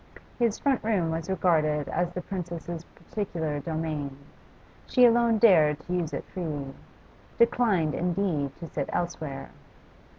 His front room was regarded as the Princess's peculiar domain; she alone dared to use it freely declined, indeed, to sit elsewhere.